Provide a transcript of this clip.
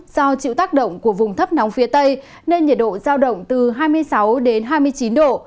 do chịu tác động của vùng thấp nóng phía tây nên nhiệt độ giao động từ hai mươi sáu đến hai mươi chín độ